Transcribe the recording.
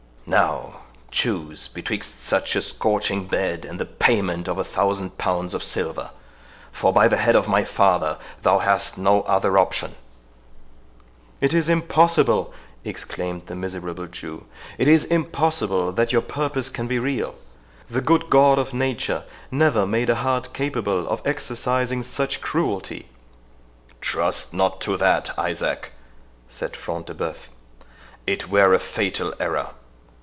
—Now, choose betwixt such a scorching bed and the payment of a thousand pounds of silver; for, by the head of my father, thou hast no other option." "It is impossible," exclaimed the miserable Jew—"it is impossible that your purpose can be real! The good God of nature never made a heart capable of exercising such cruelty!" "Trust not to that, Isaac," said Front de Bœuf, "it were a fatal error.